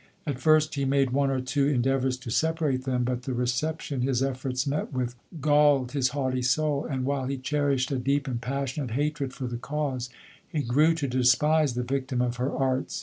At first he made one or two en deavours to separate them ; but the reception his efforts met with galled his haughty soul ; and while he cherished a deep and passionate hatred for the cause, he grew to despise t 2 124 LODORE. victim of her arts.